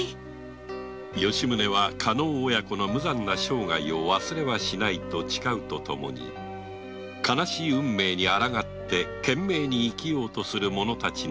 吉宗は加納親子の無惨な生涯を忘れはしないと誓うとともに悲しい運命に抗って懸命に生きようとする者たちの幸せを願わずにはいられなかった